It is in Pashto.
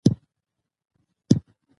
ـ زه دې په مړي پورې ژاړم،